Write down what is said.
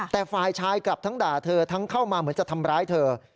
แต่ฝ่ายชายกลับทั้งด่าเธอทั้งเข้ามาเหมือนจะทำร้ายเธอ